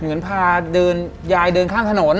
เหมือนพายายเดินข้ามถนน